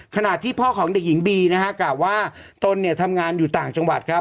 ขยิ่งบีนะครับก็ว่าตัลเนี่ยทำงานอยู่ต่างจังหวัดครับ